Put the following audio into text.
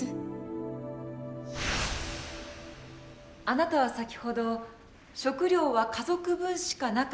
あなたは先ほど食料は家族分しかなかったと言いました。